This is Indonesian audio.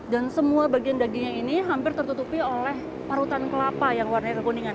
dan semua bagian dagingnya ini hampir tertutupi oleh parutan kelapa yang warnanya kekuningan